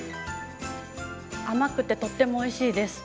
甘くてとってもおいしいです。